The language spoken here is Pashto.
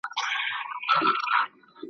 تر حمام وروسته مي ډېر ضروري کار دی `